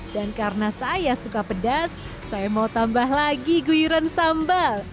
dan karena saya suka pedas saya mau tambah lagi guyuran sambal